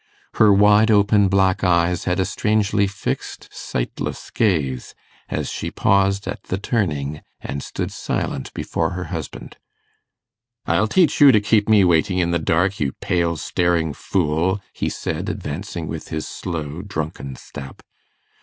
Her wide open black eyes had a strangely fixed, sightless gaze, as she paused at the turning, and stood silent before her husband. 'I'll teach you to keep me waiting in the dark, you pale staring fool!' he said, advancing with his slow drunken step.